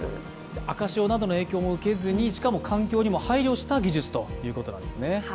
赤潮などの影響も受けずに、しかも環境にも配慮した技術ということなんですね。